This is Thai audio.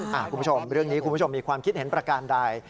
คุณผู้ชมเรื่องนี้คุณผู้ชมมีความคิดเห็นประการใด